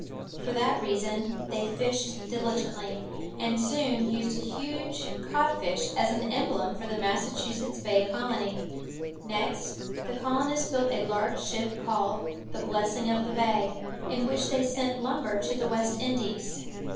For that reason they fished diligently, and soon used a huge codfish as an emblem for the Massachusetts Bay colony. Next, the colonists built a large ship called the Blessing of the Bay, in which they sent lumber to the West Indies.